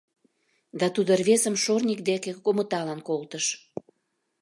Да тудо рвезым шорник деке омыталан колтыш.